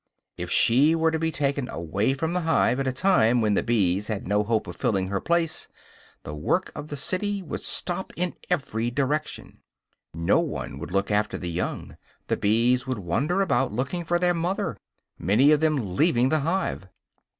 If she were to be taken away from the hive at a time when the bees had no hope of filling her place, the work of the city would stop in every direction. No one would look after the young; the bees would wander about looking for their mother, many of them leaving the hive.